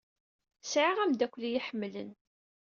Sɛiɣ ameddakel ay iyi-iḥemmlen.